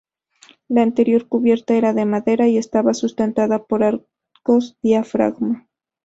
La anterior cubierta era de madera y estaba sustentada por arcos diafragma.